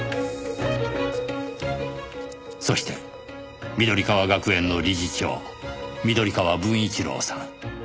そして緑川学園の理事長緑川文一郎さん。